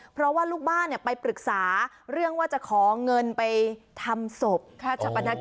เพราะว่าลูกบ้านเนี่ยไปปรึกษาเรื่องว่าจะของเงินไปทำศพ